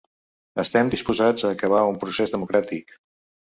Estem disposats a acabar un procés democràtic.